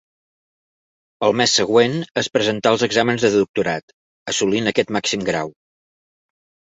El mes següent es presentà als exàmens de doctorat, assolint aquest màxim grau.